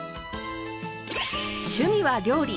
趣味は料理。